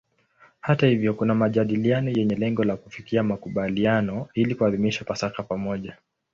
Hata hivyo kuna majadiliano yenye lengo la kufikia makubaliano ili kuadhimisha Pasaka pamoja.